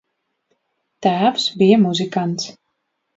Tēvs bija muzikants.